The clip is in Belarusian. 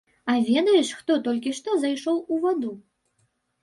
А ведаеш, хто толькі што зайшоў у ваду?